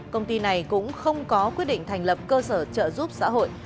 công ty này cũng không có quyết định thành lập cơ sở trợ giúp xã hội